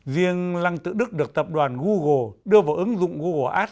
riêng lăng tự đức được tập đoàn google đưa vào ứng dụng google ads encounter